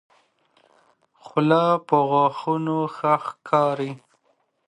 خله په غاښو ښه ښکاري.